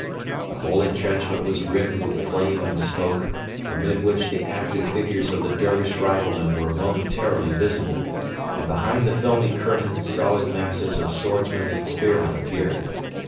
The whole entrenchment was rimmed with flame and smoke, amid which the active figures of the Dervish riflemen were momentarily visible, and behind the filmy curtain solid masses of swordsmen and spearmen appeared.